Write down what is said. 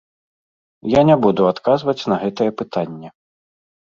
Я не буду адказваць на гэтае пытанне.